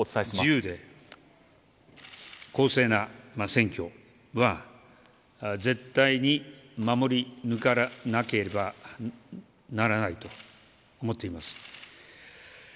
自由で公正な選挙は絶対に守り抜かなければならないと思っています。